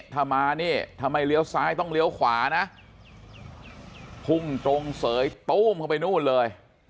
ถ้ามานี่ถ้าไม่เลี้ยวซ้ายต้องเลี้ยวขวานะพุ่งตรงเสยตู้มเข้าไปนู่นเลย